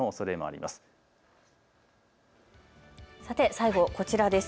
最後こちらです。